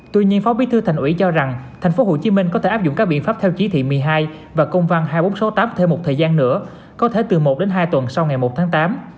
tuy nhiên phó bí thư thành ủy cho rằng tp hcm có thể áp dụng các biện pháp theo chỉ thị một mươi hai và công văn hai nghìn bốn trăm sáu mươi tám thêm một thời gian nữa có thể từ một đến hai tuần sau ngày một tháng tám